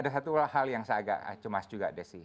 ada satu hal yang saya agak cemas juga desi